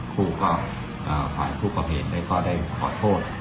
คู่ก็ขอให้ผู้ประเภทได้ก็ได้ขอโทษ